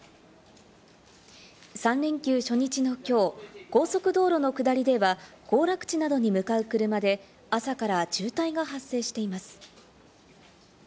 ３連休初日のきょう、高速道路の下りでは、行楽地などに向かう車で朝から渋滞が発生しています。